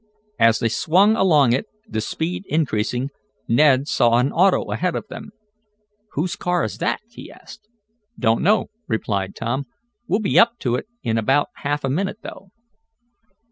As they swung along it, the speed increasing, Ned saw an auto ahead of them. "Whose car is that?" he asked. "Don't know," replied Tom. "We'll be up to it in about half a minute, though."